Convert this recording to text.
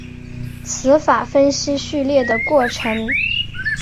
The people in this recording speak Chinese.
词法分析序列的过程。